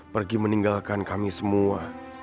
pergi meninggalkan kami semua